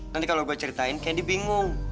nanti kalau gue ceritain kendi bingung